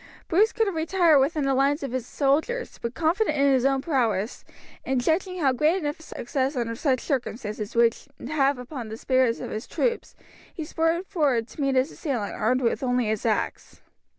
Bruce could have retired within the lines of his soldiers; but confident in his own prowess, and judging how great an effect a success under such circumstances would have upon the spirits of his troops, he spurred forward to meet his assailant armed only with his axe.